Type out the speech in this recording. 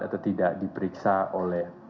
atau tidak diperiksa oleh